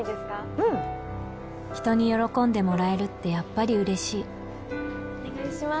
うん人に喜んでもらえるってやっぱり嬉しいお願いします